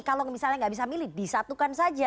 kalau misalnya nggak bisa milih disatukan saja